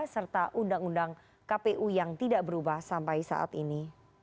serta undang undang kpu yang tidak berubah sampai saat ini